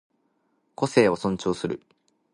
個性を尊重する